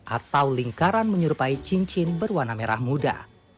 atau lingkaran menyerupai cincin berwarna merah muda